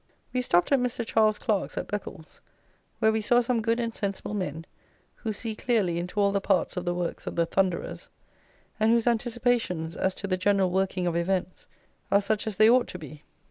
We stopped at Mr. Charles Clarke's at Beccles, where we saw some good and sensible men, who see clearly into all the parts of the works of the "Thunderers," and whose anticipations, as to the "general working of events," are such as they ought to be.